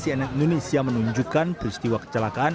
cnn indonesia menunjukkan peristiwa kecelakaan